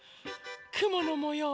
くものもよう。